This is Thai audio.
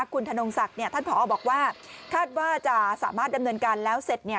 คุณธนงศักดิ์ท่านผอบอกว่าคาดว่าจะสามารถดำเนินการแล้วเสร็จ